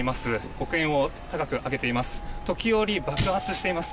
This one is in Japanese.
黒煙を高く上げています。